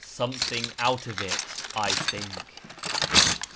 Something out of it, I think.